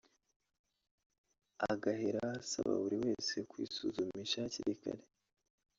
agaheraho asaba buri wese kwisuzumisha hakiri kare